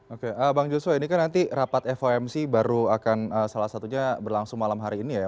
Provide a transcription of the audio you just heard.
oke bang joshua ini kan nanti rapat fomc baru akan salah satunya berlangsung malam hari ini ya